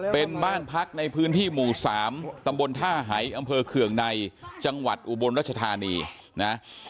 เป็นบ้านพักในพื้นที่หมู่๓ตำบลท่าหายอำเภอเคืองในจังหวัดอุบลรัชธานีนะ